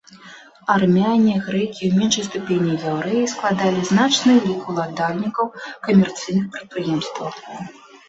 Армяне, грэкі і ў меншай ступені яўрэі складалі значны лік уладальнікаў камерцыйных прадпрыемстваў.